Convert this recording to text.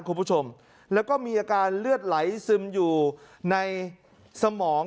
คุณผู้ชมแล้วก็มีอาการเลือดไหลซึมอยู่ในสมอง